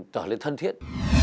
trở lên thân thiết